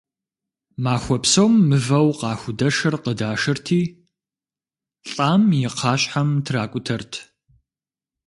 Махуэ псом мывэу къахудэшыр къыдашырти, лӀам и кхъащхьэм тракӀутэрт.